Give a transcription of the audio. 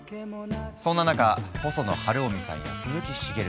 そんな中細野晴臣さんや鈴木茂さん